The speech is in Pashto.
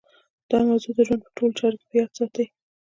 دا موضوع د ژوند په ټولو چارو کې په یاد ساتئ